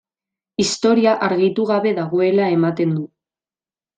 Historia argitu gabe dagoela ematen du.